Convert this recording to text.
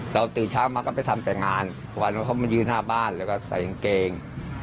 ตื่นเช้ามาก็ไปทำแต่งานวันนั้นเขามายืนหน้าบ้านแล้วก็ใส่กางเกง